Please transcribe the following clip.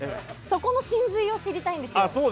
そこの神髄を知りたいんです。